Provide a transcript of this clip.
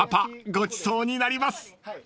ごちそうになります］